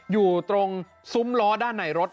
อยู่ตรงซุ้มล้อด้านในรถ